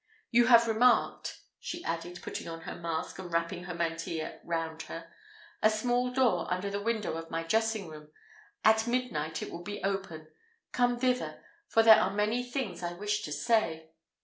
You have remarked," she added, putting on her mask, and wrapping her mantilla round her, "a small door under the window of my dressing room; at midnight it will be open come thither, for there are many things I wish to say."